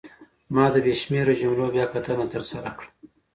ما د بې شمېره جملو بیاکتنه ترسره کړه.